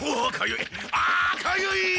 あかゆい！